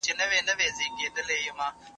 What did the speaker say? ډاکټر تر بل هر چا ښه زموږ پاڼه وړاندي کړه.